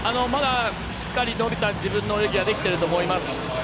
しっかり伸びた自分の泳ぎができていると思います。